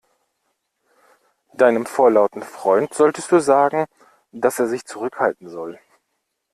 Deinem vorlauten Freund solltest du sagen, dass er sich zurückhalten soll.